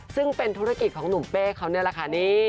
ซึ่งเป็นธุรกิจของหนุ่มเป้เขานี่แหละค่ะนี่